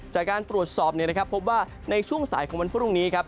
จากการตรวจสอบพบว่าในช่วงสายของวันพรุ่งนี้ครับ